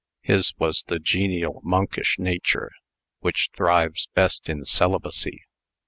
His was the genial monkish nature, which thrives best in celibacy.